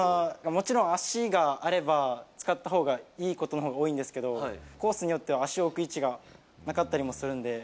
もちろん足があれば、使ったほうがいいことのほうが多いんですけど、コースによっては足を置く位置がなかったりもするんで。